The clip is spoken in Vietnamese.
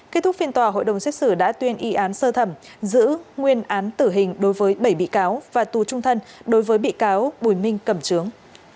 kết thúc phiên tòa hội đồng xét xử đã tuyên y án sơ thẩm giữ nguyên án tử hình đối với bảy bị cáo và tù trung thân đối với bị cáo bùi minh cẩm trướng